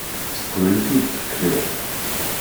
S teqbaylit i d-tekker.